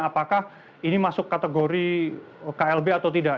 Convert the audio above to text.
apakah ini masuk kategori klb atau tidak